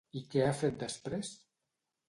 I què ha fet després?